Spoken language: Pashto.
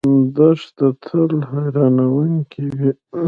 دښته تل حیرانونکې وي.